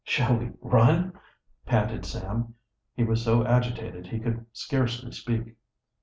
"Shall we run?" panted Sam. He was so agitated he could scarcely speak.